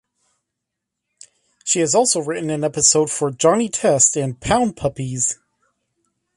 She has also written an episode for "Johnny Test" and "Pound Puppies".